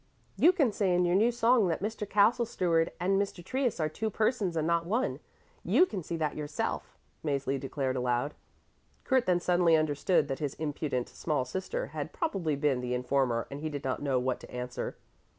"You can say in your new song that Mr. Castle Steward and Mr. Trius are two persons and not one; you can see that yourself," Mäzli declared aloud. Kurt then suddenly understood that his impudent small sister had probably been the informer and he did not know what to answer.